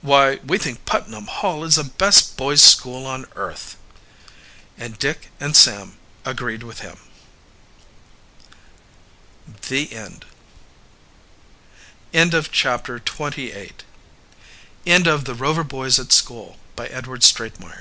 "Why, we think Putnam Hall is the best boys school on earth!" And Dick and Sam agreed with him. The End End of Project Gutenberg's The Rover Boys at School, by Arthur M. Win